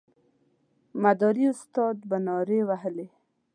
مداري استاد به نارې وهلې.